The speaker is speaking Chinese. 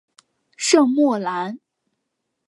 圣莫兰。